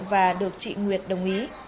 và được chị nguyệt đồng ý